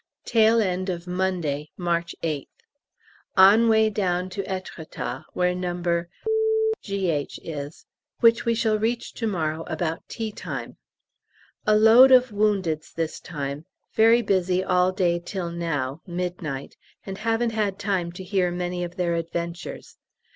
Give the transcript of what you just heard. Tail end of Monday, March 8th. On way down to Êtretat, where No. G.H. is, which we shall reach to morrow about tea time. A load of woundeds this time; very busy all day till now (midnight), and haven't had time to hear many of their adventures.